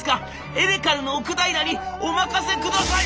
エレカルの奥平にお任せください！」